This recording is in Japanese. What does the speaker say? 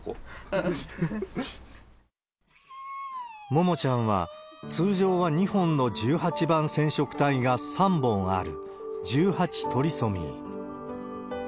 ももちゃんは、通常は２本の１８番染色体が３本ある、１８トリソミー。